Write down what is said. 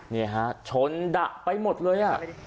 นี่ฮะชนดะไปหมดเลย